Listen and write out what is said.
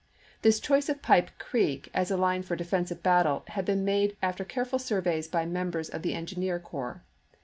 This choice of Pipe Creek as a line for defensive battle had been made after careful surveys by members of the en gineer corps.